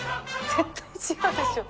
絶対違うでしょ？